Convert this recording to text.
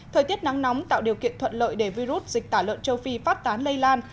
thời tiết nắng nóng tạo điều kiện thuận lợi để virus dịch tả lợn châu phi phát tán lây lan